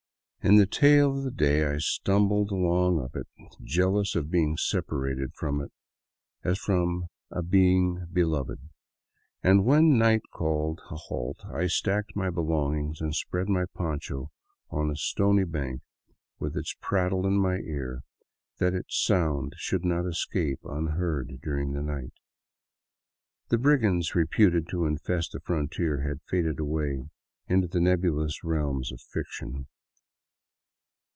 In the tail of the day I stumbled along up it, jealous of being separated from it as from a beloved being ; and when night called a halt I stacked my belongings and spread my poncho on the stony bank with its prattle in my ears, that it should not escape unheard during the night. The brigands reputed to infest the frontier had faded away into the nebu lous realms of fiction.